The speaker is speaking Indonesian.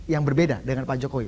yang berbeda dengan pak jokowi